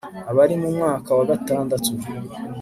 abari mu mwaka wa gatandatu